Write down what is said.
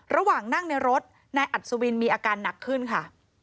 ระหว่างนั่งในรถนายอัศวินมีอาการหนักขึ้นค่ะ